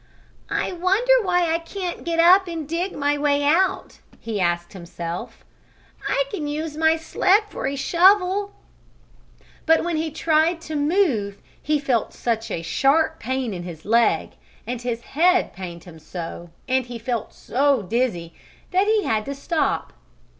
"I wonder why I can't get up and dig my way out?" he asked himself. "I can use my sled for a shovel." But when he tried to move he felt such a sharp pain in his leg, and his head pained him so, and he felt so dizzy, that he had to stop.